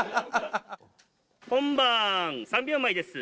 本番３秒前です